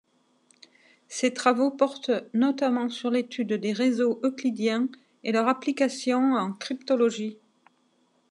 Ses travaux portent notamment sur l'étude des réseaux euclidiens et leurs applications en cryptologie.